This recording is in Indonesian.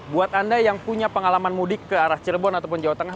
buat anda yang punya pengalaman mudik ke arah cirebon ataupun jawa tengah